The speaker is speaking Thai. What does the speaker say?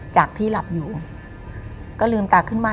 จากที่หลับอยู่ก็ลืมตาขึ้นมา